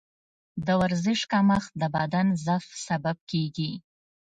د ورزش کمښت د بدن ضعف سبب کېږي.